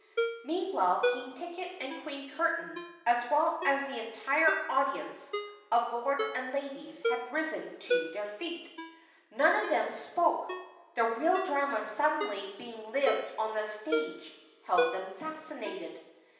Meanwhile King Ticket and Queen Curtain, as well as the entire audience of Lords and Ladies had risen to their feet. None of them spoke. The real drama suddenly being lived on the stage held them fascinated.